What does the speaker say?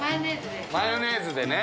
マヨネーズです。